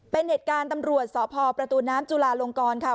เป็นเหตุการณ์ตำรวจสพประตูน้ำจุลาลงกรค่ะ